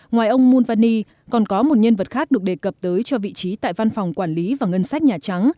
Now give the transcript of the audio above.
ngoài ông monvani còn có một nhân vật khác được đề cập tới cho vị trí tại văn phòng quản lý và ngân sách nhà trắng